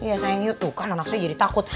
iya sayang yuk tuh kan anak saya jadi takut